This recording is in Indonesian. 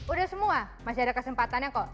udah semua masih ada kesempatannya kok